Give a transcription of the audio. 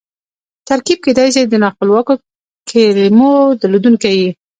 ترکیب کېدای سي د نا خپلواکو کیمو درلودونکی يي.